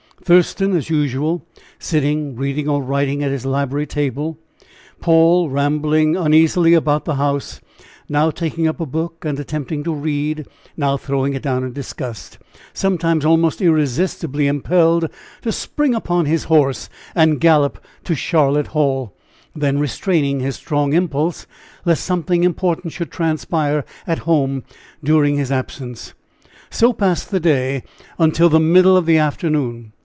Thurston, as usual, sitting reading or writing at his library table; Paul rambling uneasily about the house, now taking up a book and attempting to read, now throwing it down in disgust; sometimes almost irresistibly impelled to spring upon his horse and gallop to Charlotte Hall, then restraining his strong impulse lest something important should transpire at home during his absence. So passed the day until the middle of the afternoon.